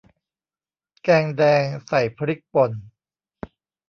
แกงแดงใส่พริกป่น